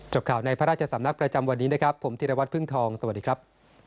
ข่าวในพระราชสำนักประจำวันนี้นะครับผมธิรวัตรพึ่งทองสวัสดีครับ